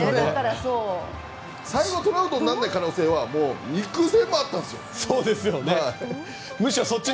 最後トラウトにならない可能性は相当あったんですよ。